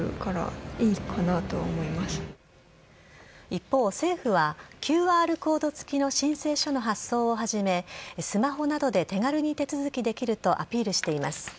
一方、政府はＱＲコード付きの申請書の発送を始めスマホなどで手軽に手続きできるとアピールしています。